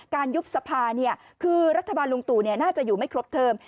ยุบสภาคือรัฐบาลลุงตู่น่าจะอยู่ไม่ครบเทิม